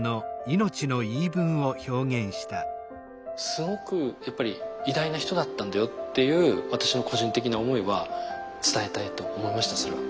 すごくやっぱり偉大な人だったんだよっていう私の個人的な思いは伝えたいと思いましたそれは。